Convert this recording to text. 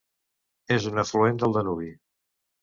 És un afluent del Danubi.